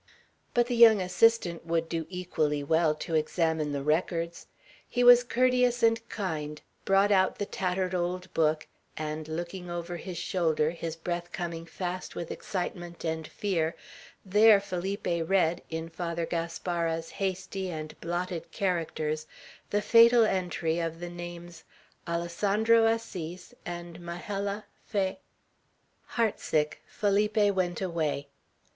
But the young assistant would do equally well, to examine the records. He was courteous and kind; brought out the tattered old book, and, looking over his shoulder, his breath coming fast with excitement and fear, there Felipe read, in Father Gaspara's hasty and blotted characters, the fatal entry of the names, "Alessandro Assis and Majella Fa " Heart sick, Felipe went away.